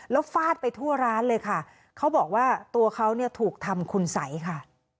แล้วฟาดไปทั่วร้านเลยค่ะเขาบอกว่าตัวเขาเนี่ยถูกทำคุณสัยค่ะ